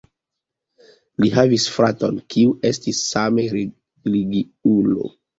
Li havis fraton, kiu estis same religiulo.